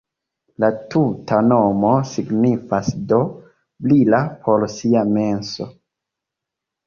La tuta nomo signifas do: brila per sia menso.